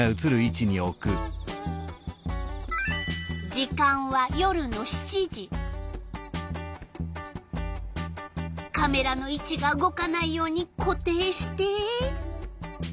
時間はカメラの位置が動かないように固定して。